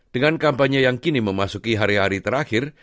dengan kampanye yang kini memasuki hari hari terakhir